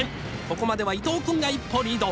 ここまでは伊藤君が一歩リード！